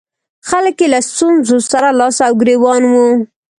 خلک یې له ستونزو سره لاس او ګرېوان وو.